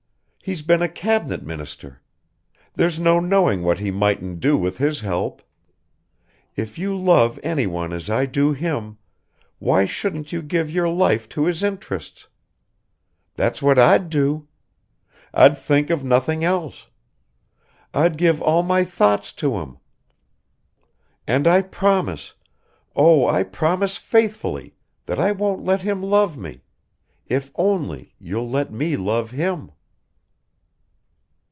He's been a Cabinet minister. There's no knowing what he mightn't do with his help. If you love anyone as I do him, why shouldn't you give your life to his interests? That's what I'd do. I'd think of nothing else. I'd give all my thoughts to him. And I promise ... oh, I promise faithfully, that I won't let him love me ... if only you'll let me love him."